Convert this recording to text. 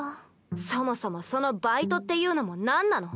そもそもそのバイトっていうのもなんなの？